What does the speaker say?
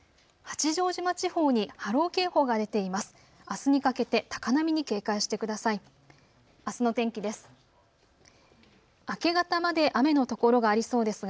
八丈島地方に波浪警報が出ています。